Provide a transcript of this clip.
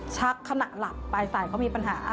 ขณะหลับปลายสายเขามีปัญหา